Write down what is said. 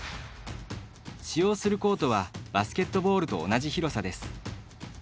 使用するコートはバスケットボールと同じ広さです。